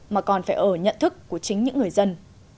mà còn phải ở nhận thức của chính những người dân